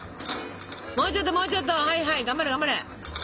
もうちょっともうちょっとはいはい頑張れ頑張れ。